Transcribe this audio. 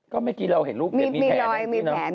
ก็ไม่ที่เราเห็นรูปเด็กมีแผล